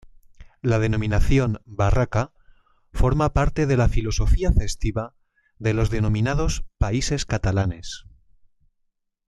La denominación "barraca" forma parte de la filosofía festiva de los denominados países catalanes.